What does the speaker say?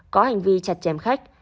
có hành vi chặt chém khách